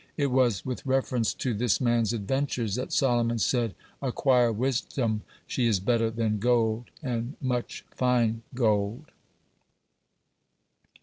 It was with reference to this man's adventures that Solomon said: "Acquire wisdom; she is better than gold and much fine gold."